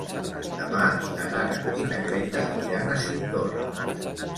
Demà na Nara i na Greta iran a Cinctorres.